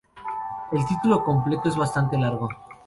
El título completo es bastante largo.